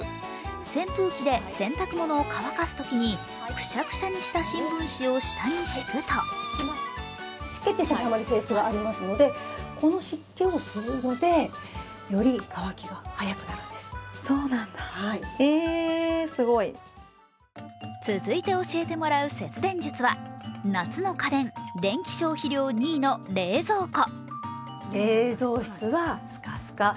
扇風機で洗濯物を乾かすときにくしゃくしゃにした新聞紙を下に敷くと続いて教えてもらう節電術は夏の家電、電気消費量２位の冷蔵庫。